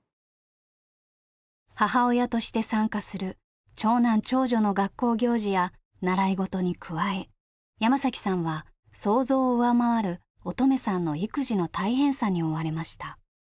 母親として参加する長男長女の学校行事や習い事に加え山さんは想像を上回る音十愛さんの育児の大変さに追われました。